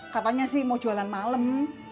katanya sih mau jualan malem